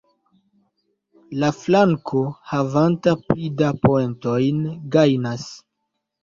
La flanko, havanta pli da poentojn, gajnas.